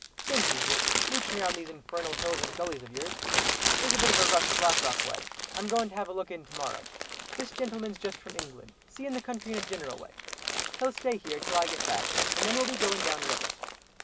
"Same's usual, moochin' round these infernal hills and gullies ov yours. There's a bit of a rush Black Rock way. I'm goin' to have a look in to morrow. This gentleman's just from England, seein' the country in a gineral way; he'll stay here till I get back, and then we'll be going down river."